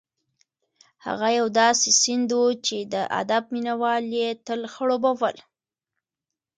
هغه یو داسې سیند و چې د ادب مینه وال یې تل خړوبول.